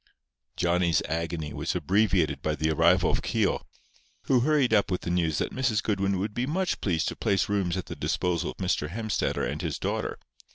Johnny's agony was abbreviated by the arrival of Keogh, who hurried up with the news that Mrs. Goodwin would be much pleased to place rooms at the disposal of Mr. Hemstetter and his daughter.